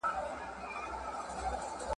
ښکارندوی په خپله قصیده کې د غرو لمنې ستایي.